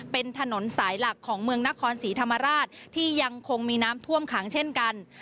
เป็นถนนสายหลักของเมืองนครศรีธรรมราชที่ยังคงมีน้ำท่วมขังเช่นกัน